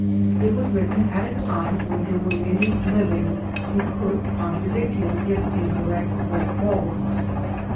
It was written at a time when there were many living who could contradict him if incorrect or false.